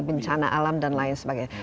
bencana alam dan lain sebagainya